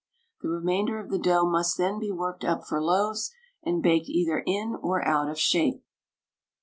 The remainder of the dough must then be worked up for loaves, and baked either in or out of shape.